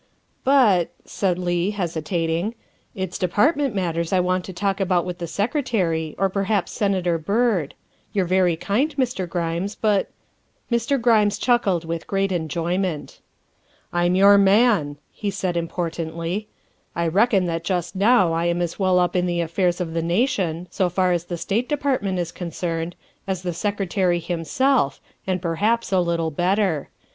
''" But," said Leigh, hesitating, " it's Department matters I want to talk about with the Secretary, or per haps Senator Byrd. You're very kind, Mr. Grimes, but " Mr. Grimes chuckled with great enjoyment. "I'm your man," he said importantly. " I reckon that just now I am as well up in the affairs of the nation, so far as the State Department is concerned, as the Sec retary himself, and perhaps a little better.